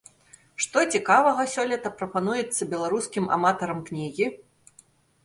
Што цікавага сёлета прапануецца беларускім аматарам кнігі?